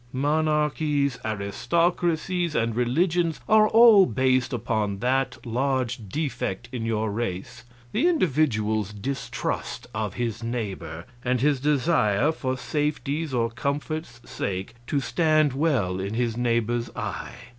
"Monarchies, aristocracies, and religions are all based upon that large defect in your race the individual's distrust of his neighbor, and his desire, for safety's or comfort's sake, to stand well in his neighbor's eye.